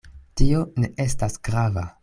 Tio ne estas grava.